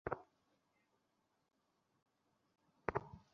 ওইটা কাছাকাছি ছিল।